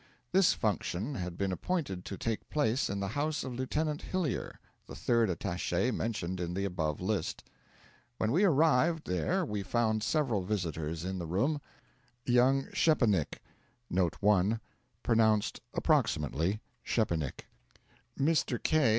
This function had been appointed to take place in the house of Lieutenant Hillyer, the third attache mentioned in the above list. When we arrived there we found several visitors in the room; young Szczepanik;(1) Mr. K.